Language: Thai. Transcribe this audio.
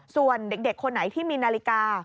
ส่วนเด็กคนไหนที่มีนาฬิกา